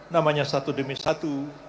namanya satu demi satu